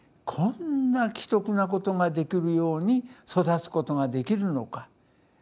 こんな奇特なことができるように育つことができるのか。